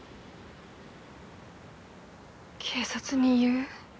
警察に言う？